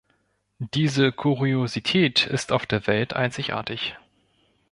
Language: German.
Diese Kuriosität ist auf der Welt einzigartig.